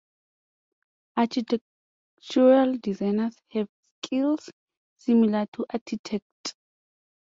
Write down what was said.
Architectural designers have skills similar to architects.